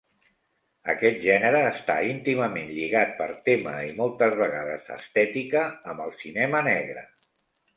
Aquest gènere està íntimament lligat per tema i moltes vegades estètica amb el cinema negre.